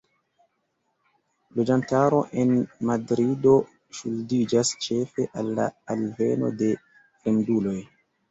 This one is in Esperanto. Loĝantaro en Madrido ŝuldiĝas ĉefe al la alveno de fremduloj.